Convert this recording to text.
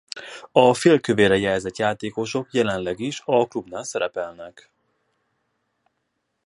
A félkövérrel jelzett játékosok jelenleg is a klubnál szerepelnek.